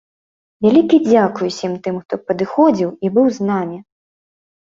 Вялікі дзякуй ўсім тым, хто падыходзіў і быў з намі!